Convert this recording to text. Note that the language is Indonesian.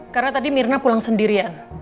karena tadi mirna pulang sendirian